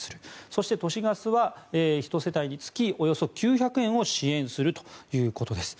そして、都市ガスは１世帯につきおよそ９００円を支援するということです。